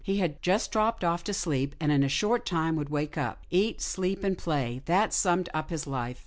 He had just dropped off to sleep, and in a short time would wake up. Eat, sleep and play, that summed up his life.